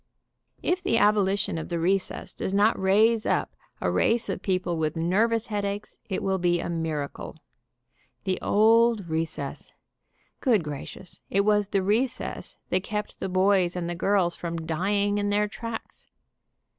If the abolition of the recess does not raise up a race of people with nervous headaches it will be a miracle. The old re cess ! Good gracious, it was the recess that kept the boys and the girls from dying in their tracks.